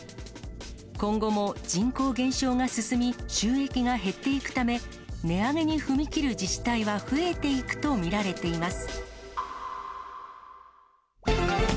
今後も人口減少が進み、収益が減っていくため、値上げに踏み切る自治体は増えていくと見られています。